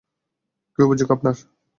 কী অভিযোগ আপনার?